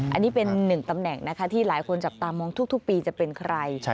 อันนี้เป็นหนึ่งตำแหน่งนะคะที่หลายคนจับตามองทุกปีจะเป็นใคร